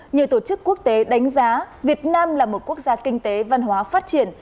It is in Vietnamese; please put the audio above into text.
nhiều tổ chức quốc tế đánh giá việt nam là một quốc gia kinh tế văn hóa phát triển